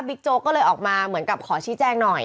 โจ๊กก็เลยออกมาเหมือนกับขอชี้แจ้งหน่อย